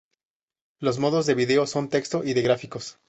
Los modos de video son de texto y de gráficos.